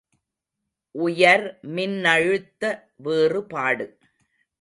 உயர் மின்னழுத்த வேறுபாடு.